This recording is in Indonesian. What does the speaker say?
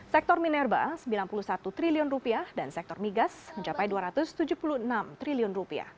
sektor minerba rp sembilan puluh satu triliun dan sektor migas mencapai rp dua ratus tujuh puluh enam triliun